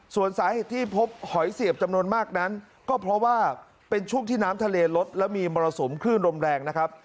ส่วนสาเหตุที่พบหอยเสียบจำนวนมากนั้นก็เพราะว่าเป็นช่วงที่น้ำทะเลลดและมีมรสุมคลื่นลมแรงนะครับ